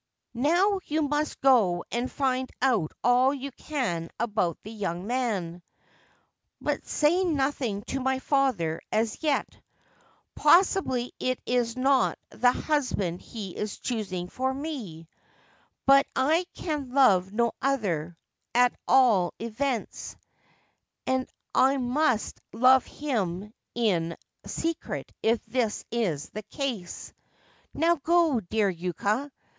' Now you must go and find out all you can about the young man ; but say nothing to my father as yet. Possibly it is not the husband he is choosing for me ; but I can love no other, at all events, and I must love him in secret if this is the case. Now go, dear Yuka.